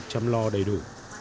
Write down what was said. chăm lo đầy đủ